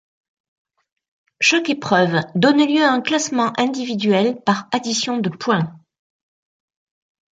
Chaque épreuve donne lieu à un classement individuel par addition de points.